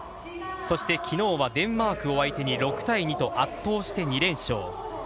そして昨日はデンマークを相手に６対２と圧倒して２連勝。